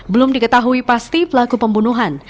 belum diketahui pasti pelaku pembunuhan